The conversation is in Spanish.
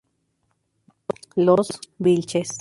Los Vílchez